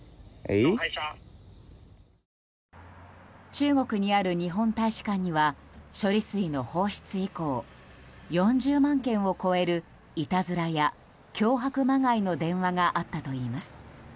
中国にある日本大使館には処理水の放出以降４０万件を超えるいたずらや脅迫まがいの電話があったといいます。